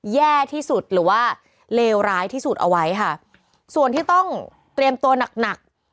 แย่ที่สุดหรือว่าเลวร้ายที่สุดเอาไว้ค่ะส่วนที่ต้องเตรียมตัวหนักหนัก